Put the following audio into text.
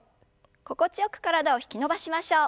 心地よく体を引き伸ばしましょう。